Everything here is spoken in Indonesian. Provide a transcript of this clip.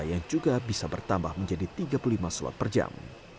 yang juga bisa bertambah menjadi tiga puluh lima slot per jam